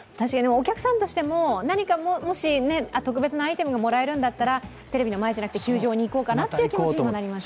お客さんとしても、何か特別なアイテムがもらえるんだったら、テレビの前じゃなくて球場に行こうかなということになりますし。